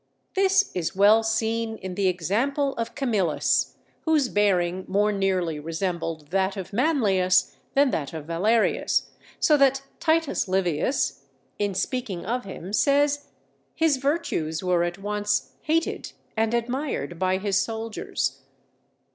This is well seen in the example of Camillus, whose bearing more nearly resembled that of Manlius than that of Valerius, so that Titus Livius, in speaking of him, says, "_His virtues were at once hated and admired by his soldiers.